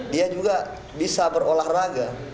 dia bisa berolahraga